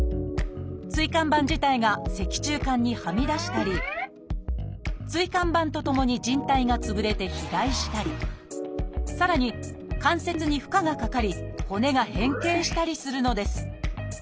椎間板自体が脊柱管にはみ出したり椎間板とともにじん帯が潰れて肥大したりさらに関節に負荷がかかり骨が変形したりするのです。